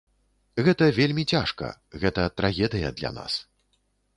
Гэта вельмі цяжка, гэта трагедыя для нас.